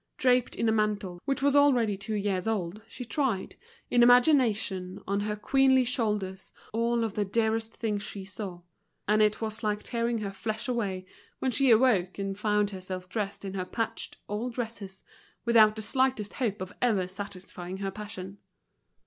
Draped in a mantle which was already two years old she tried, in imagination, on her queenly shoulders all the dearest things she saw; and it was like tearing her flesh away when she awoke and found herself dressed in her patched, old dresses, without the slightest hope of ever satisfying her passion.